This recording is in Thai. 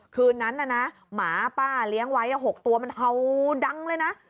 คืนนั้นน่ะนะหมาป้าเลี้ยงไว้๖ตัวมันเห่าดังเลยนะ